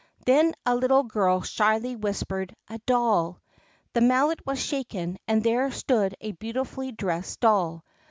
Then a little girl shyly whispered, "A doll." The Mallet was shaken, and there stood a beautifully dressed doll.